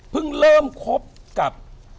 เพิ่งเริ่มคบกับ